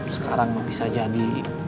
sekarang mah bisa jadi